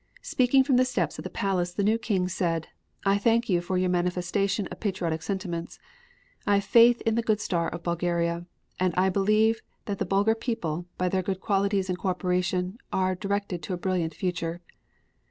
Speaking from the steps of the Palace the new King said; "I thank you for your manifestation of patriotic sentiments. I have faith in the good star of Bulgaria, and I believe that the Bulgar people, by their good qualities and co operation, are directed to a brilliant future."